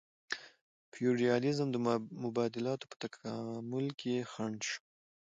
فیوډالیزم د مبادلاتو په تکامل کې خنډ شو.